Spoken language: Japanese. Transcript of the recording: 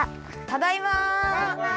ただいま！